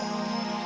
aduh ayo bentar